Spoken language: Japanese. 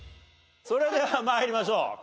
それでは参りましょう。